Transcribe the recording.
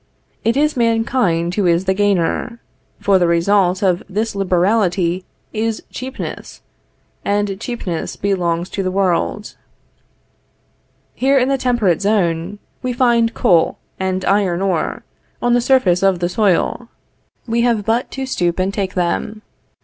It is mankind who is the gainer; for the result of this liberality is cheapness, and cheapness belongs to the world. Here in the temperate zone, we find coal and iron ore, on the surface of the soil; we have but to stoop and take them.